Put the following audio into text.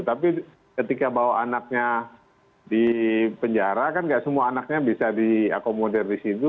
tapi ketika bawa anaknya di penjara kan nggak semua anaknya bisa diakomodir di situ